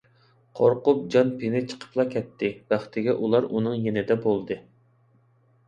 قورقۇپ جان - پېنى چىقىپلا كەتتى، بەختىگە ئۇلار ئۇنىڭ يېنىدا بولدى.